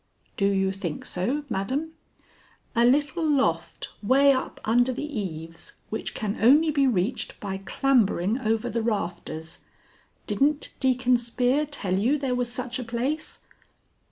"Do you think so, madam?" "A little loft way up under the eaves, which can only be reached by clambering over the rafters. Didn't Deacon Spear tell you there was such a place?"